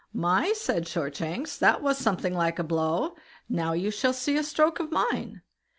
My!" said Shortshanks, "that was something like a blow now you shall see a stroke of mine."